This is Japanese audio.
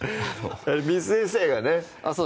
簾先生がね